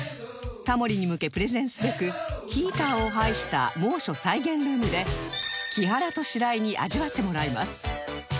タモリに向けプレゼンすべくヒーターを配した猛暑再現ルームで木原と白井に味わってもらいます